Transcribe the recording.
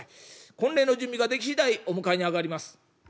婚礼の準備ができ次第お迎えに上がります」。